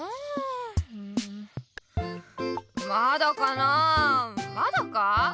まだかなあまだか？